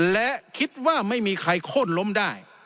และคิดว่าไม่มีใครโค้นล้มได้